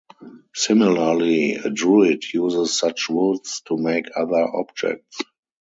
Similarly, a druid uses such woods to make other objects.